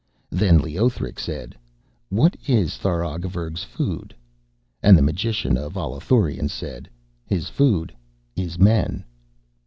Then Leothric said: 'What is Tharagavverug's food?' And the magician of Allathurion said: 'His food is men.'